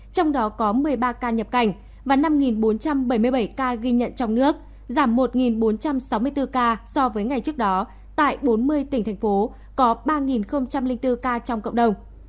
trong đó có một mươi ba ca nhập cảnh và năm bốn trăm bảy mươi bảy ca ghi nhận trong nước giảm một bốn trăm sáu mươi bốn ca so với ngày trước đó tại bốn mươi tỉnh thành phố có ba bốn ca trong cộng đồng